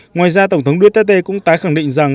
ngoài ra tổng thống duterte cũng tái khẳng định rằng